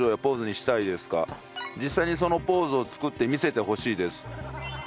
「実際にそのポーズを作って見せてほしいです」